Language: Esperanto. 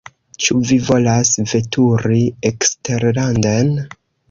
Ĉu vi volas veturi eksterlanden?